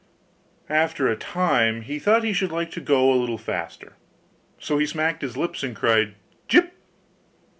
After a time he thought he should like to go a little faster, so he smacked his lips and cried 'Jip!